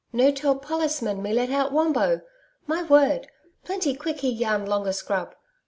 No tell pollis man me let out Wombo. My word! plenty quick he YAN long a scrub.